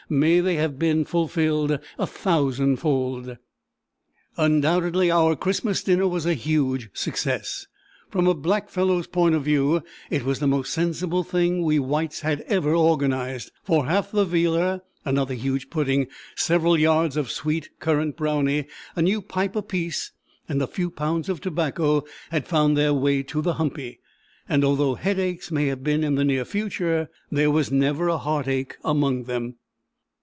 May they have been fulfilled a thousand fold! Undoubtedly our Christmas dinner was a huge success—from a black fellow's point of view it was the most sensible thing we Whites had ever organised; for half the Vealer, another huge pudding, several yards of sweet currant "brownie,'" a new pipe apiece, and a few pounds of tobacco had found their way to the "humpy"; and although headaches may have been in the near future, there was never a heartache among them.